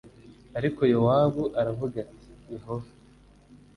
Ariko Yowabu aravuga ati Yehova